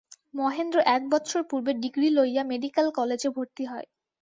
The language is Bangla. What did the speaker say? মহেন্দ্র এক বৎসর পূর্বে ডিগ্রী লইয়া মেডিকাল কালেজে ভর্তি হয়।